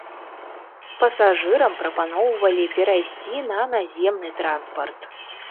Пасажырам прапаноўвалі перайсці на наземны транспарт.